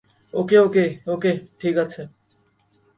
ওকে okay okay ঠিক আছে।